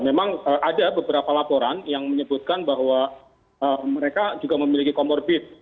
memang ada beberapa laporan yang menyebutkan bahwa mereka juga memiliki comorbid